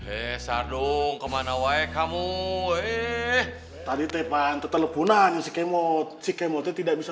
eh sardung kemana wae kamu eh tadi tepan teteleponan yang si kemoti kemoti tidak bisa